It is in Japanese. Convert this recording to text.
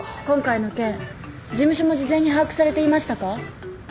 今回の件事務所も事前に把握されていましたか？